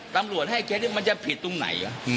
ตำรวจให้เคสนี้มันจะผิดตรงไหน